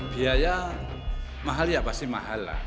biaya mahal ya pasti mahal lah